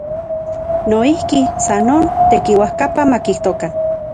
Noijki, san non, tekiuajkapa makijtokan.